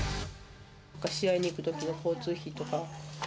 試合に行くときの交通費とか。